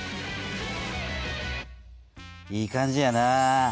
いい感じやな。